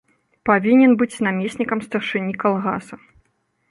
Павінен быць намеснікам старшыні калгаса.